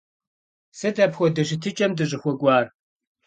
Сыт апхуэдэ щытыкӀэм дыщӀыхуэкӀуар?